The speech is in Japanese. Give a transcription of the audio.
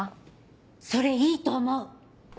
・それいいと思う！